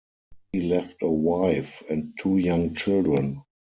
He left a wife and two young children.